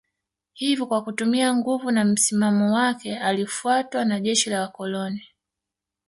Hivyo kwa kutumia nguvu na msimamo wake alifuatwa na jeshi la Wakoloni